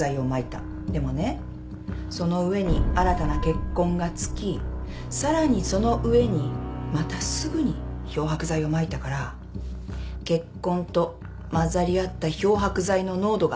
でもねその上に新たな血痕が付きさらにその上にまたすぐに漂白剤をまいたから血痕と混ざり合った漂白剤の濃度が所々違うの。